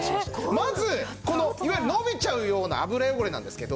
まずこのいわゆる伸びちゃうような油汚れなんですけど。